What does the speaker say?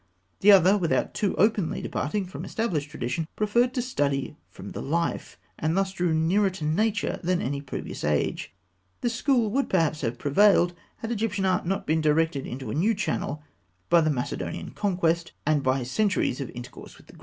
The other, without too openly departing from established tradition, preferred to study from the life, and thus drew nearer to nature than in any previous age. This school would, perhaps, have prevailed, had Egyptian art not been directed into a new channel by the Macedonian conquest, and by centuries of intercourse with the Greeks.